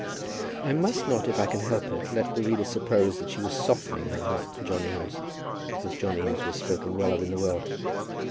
I must not, if I can help it, let the reader suppose that she was softening her heart to John Eames because John Eames was spoken well of in the world.